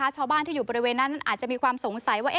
ชาวบ้านที่อยู่บริเวณนั้นอาจจะมีความสงสัยว่า